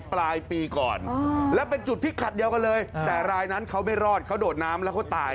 ปลายปีก่อนแล้วเป็นจุดที่ขัดเดียวกันเลยแต่รายนั้นเขาไม่รอดเขาโดดน้ำแล้วเขาตาย